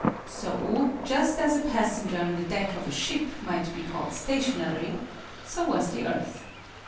So, just as a passenger on the deck of a ship might be called stationary, so was the earth.